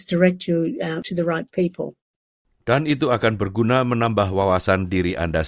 dewan pertanahan aborigin lokal dan dewan lokal anda